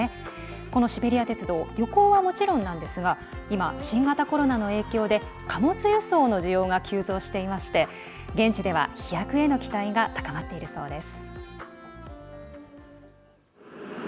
このシベリア鉄道旅行はもちろんなんですが今、新型コロナの影響で貨物輸送の需要が急増していまして現地では飛躍への期待が高まっているそうです。